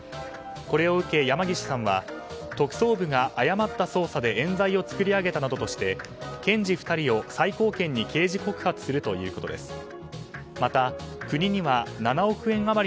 これを受け、山岸さんは特捜部が誤った捜査で冤罪を作り上げたなどとして検事２人を最高検に刑事告発するということです。